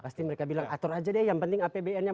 pasti mereka bilang atur aja deh yang penting apbn nya